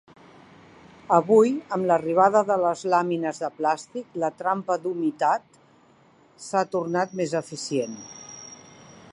Avui, amb l'arribada de les làmines de plàstic, la trampa d'humitat s'ha tornat més eficient.